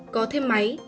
có thêm máy